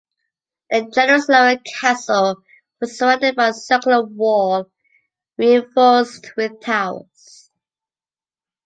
The generous lower castle was surrounded by a circular wall reinforced with towers.